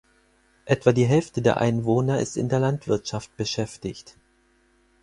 Etwa die Hälfte der Einwohner ist in der Landwirtschaft beschäftigt.